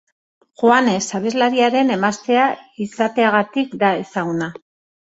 Juanes abeslariaren emaztea izateagatik da ezaguna.